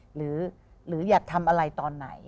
หรืออยากทำอะไรตอนไหน